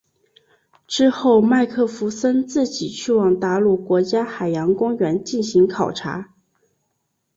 之后麦克弗森自己去往达鲁国家海洋公园进行考察。